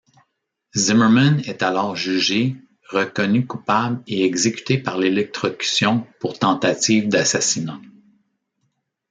Zimmerman est alors jugé, reconnu coupable et exécuté par électrocution pour tentative d'assassinat.